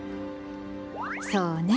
そうね。